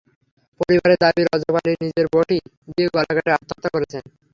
পরিবারের দাবি, রজব আলী নিজেই বঁটি দিয়ে গলা কেটে আত্মহত্যা করেছেন।